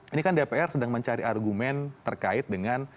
ini kan dpr sedang mencari argumen terkait dengan